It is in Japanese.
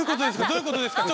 どういう事ですか？